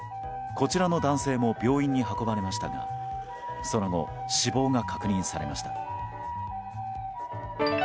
こちらの男性も病院に運ばれましたがその後、死亡が確認されました。